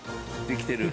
できてる？